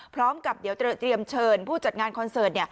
พร้อมกับเดี๋ยวจะเตรียมเชิญผู้จัดงานคอนเสิร์ต